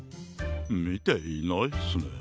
みていないっすね。